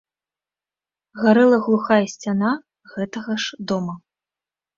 Гарэла глухая сцяна гэтага ж дома.